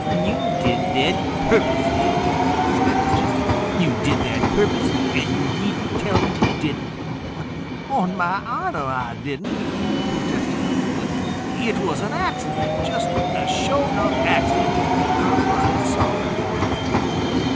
"You did that purposely!" snapped Jimmy. "You did that purposely, and you needn't tell me you didn't." "On mah honor Ah didn't," protested Unc' Billy. "It was an accident, just a sho' 'nuff accident, and Ah'm right sorry fo' it."